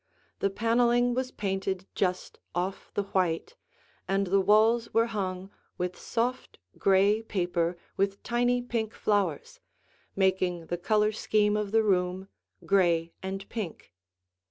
The paneling was painted just off the white, and the walls were hung with soft, gray paper with tiny pink flowers, making the color scheme of the room gray and pink.